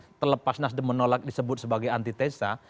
nah anies terlepas nasdem menolak disebut sebagai anti tesa